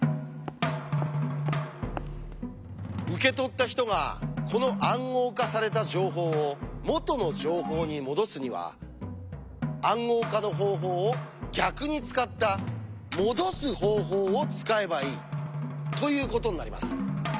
受け取った人がこの「暗号化された情報」を「元の情報」にもどすには「暗号化の方法」を逆に使った「もどす方法」を使えばいいということになります。